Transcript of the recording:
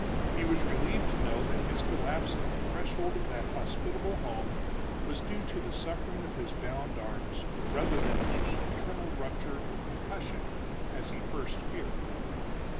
He was relieved to know that his collapse at the threshold of that hospitable home was due to the suffering of his bound arms, rather than any internal rupture or concussion as he at first feared.